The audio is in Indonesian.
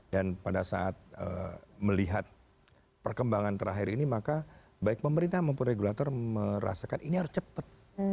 pada saat melihat perkembangan terakhir ini maka baik pemerintah maupun regulator merasakan ini harus cepat